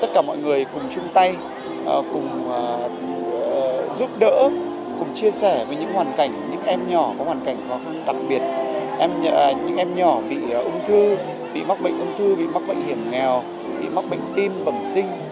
tất cả mọi người cùng chung tay cùng giúp đỡ cùng chia sẻ với những hoàn cảnh những em nhỏ có hoàn cảnh khó khăn đặc biệt những em nhỏ bị ung thư bị mắc bệnh ung thư bị mắc bệnh hiểm nghèo bị mắc bệnh tim bẩm sinh